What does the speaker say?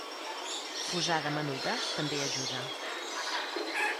Fusada menuda també ajuda.